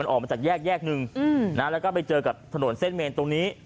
ออกมาจากแยกแยกหนึ่งนะแล้วก็ไปเจอกับถนนเส้นเมนตรงนี้